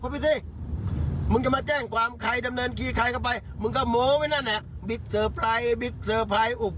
ผมไม่อยากไปยุ่งเลย